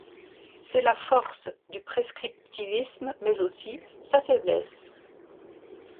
C'est la force du prescriptivisme mais aussi sa faiblesse.